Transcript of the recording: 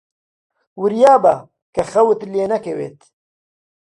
وریابە کە خەوت لێ نەکەوێت.